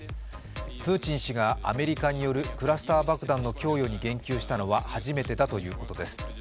プーチン氏がアメリカによるクラスター爆弾の供与に言及したのは初めてだということです。